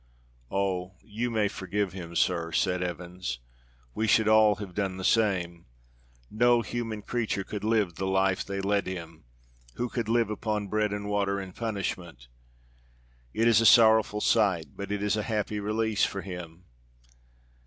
"Oh! you may forgive him, sir," said Evans. "We should all have done the same. No human creature could live the life they led him. Who could live upon bread and water and punishment? It is a sorrowful sight, but it is a happy release for him.